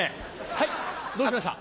はいどうしました？